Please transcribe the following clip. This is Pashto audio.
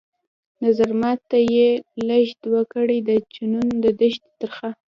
نظرمات ته يې لږ دود کړى د جنون د دښتي ترخه